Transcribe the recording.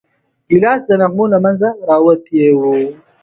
ګیلاس د نغمو له منځه راوتی وي.